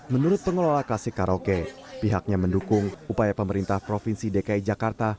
menurut pengelola klasik karaoke pihaknya mendukung upaya pemerintah provinsi dki jakarta